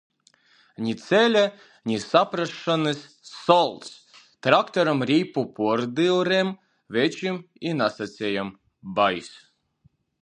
Ni ceļa, ni saprasšonys. solts! Traktoram rīpu puordyurem, večim i nasacejom. Bais.